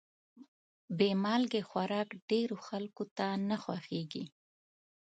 بې مالګې خوراک ډېرو خلکو ته نه خوښېږي.